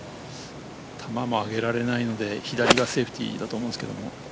球も上げられないので、左がセーフティーだと思うんですけど。